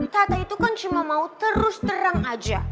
kata itu kan cuma mau terus terang aja